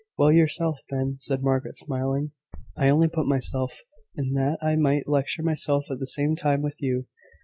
"Well, yourself, then," said Margaret, smiling. "I only put myself in that I might lecture myself at the same time with you."